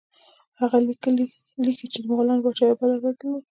هغه لیکي چې د مغولو پاچاهانو یو بد عادت درلود.